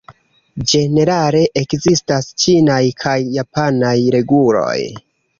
Ĝenerale ekzistas ĉinaj kaj japanaj reguloj.